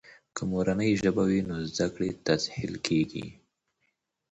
که مورنۍ ژبه وي، نو زده کړې تسهیل کیږي.